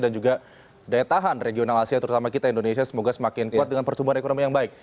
dan juga daya tahan regional asia terutama kita indonesia semoga semakin kuat dengan pertumbuhan ekonomi yang baik